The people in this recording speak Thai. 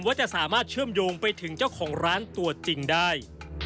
ว่าจะสามารถเชื่อมโยงไปถึงเจ้าของร้านตัวจริงได้